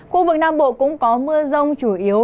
khu vực nam bộ cũng có mưa rông chủ yếu